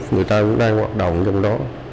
người ta cũng đang hoạt động trong đó